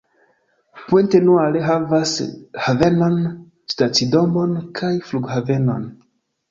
Pointe-Noire havas havenon, stacidomon kaj flughavenon.